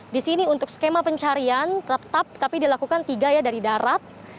di sini untuk skema pencarian tetap tapi dilakukan tiga ya dari darat